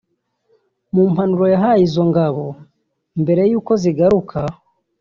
mu mpanuro yahaye izo ngabo mbere y’uko zihaguruka